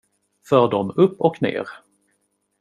För dem upp och ner.